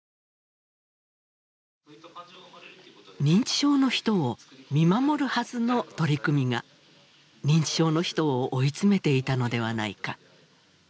認知症の人を見守るはずの取り組みが認知症の人を追い詰めていたのではないか。